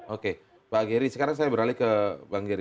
oke pak geri sekarang saya beralih ke bang giri